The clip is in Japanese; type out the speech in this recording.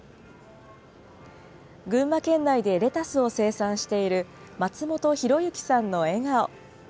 群馬県内でレタスを生産している松本浩幸さんの笑顔。